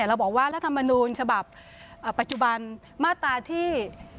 เราบอกว่ารัฐมนูลฉบับปัจจุบันมาตราที่